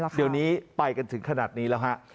เดี๋ยวนี้ไปกันถึงขนาดนี้แล้วฮะ